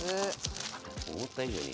思った以上に。